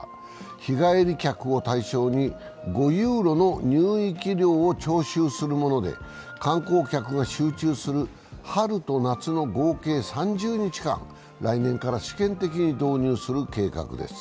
日帰り客を対象に５ユーロの入域料を徴収するもので、観光客が集中する春と夏の合計３０日間、来年から試験的に導入する計画です。